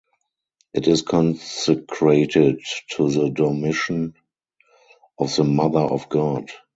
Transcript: It is consecrated to the Dormition of the Mother of God.